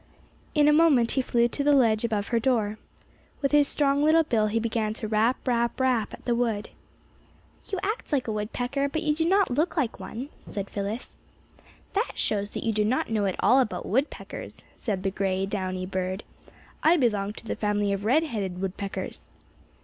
In a moment he flew to the ledge above her door. With his strong little bill he began to rap, rap, rap at the wood. "You act like a woodpecker, but you do not look like one," said Phyllis. "That shows that you do not know all about woodpeckers," said the gray, downy bird. "I belong to the family of red headed woodpeckers."